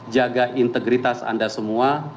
jaga integritas anda semua